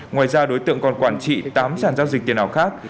ngoài ra đối tượng còn quản trị tám sản giao dịch tiền ảo khác